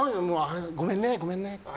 ごめんね、ごめんねって。